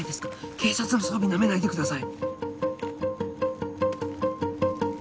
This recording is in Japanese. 警察の装備ナメないでください。